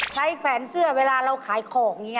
แขวนเสื้อเวลาเราขายของอย่างนี้